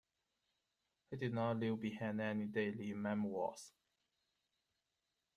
He did not leave behind any daily memoirs.